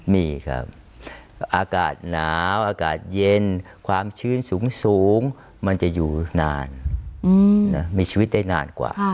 มีครับอากาศหนาวอากาศเย็นความชื้นสูงมันจะอยู่นานมีชีวิตได้นานกว่า